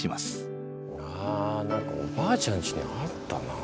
あ何かおばあちゃんちにあったな。